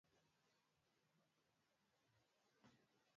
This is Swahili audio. taasisi ya kwanza ni ofisi kuu ya benki kuu ya tanzania